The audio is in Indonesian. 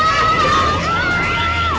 wah kamarnya rata sekali